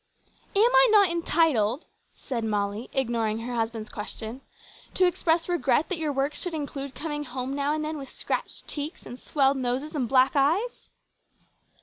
"Am I not entitled," said Molly, ignoring her husband's question, "to express regret that your work should include coming home now and then with scratched cheeks, and swelled noses, and black eyes?"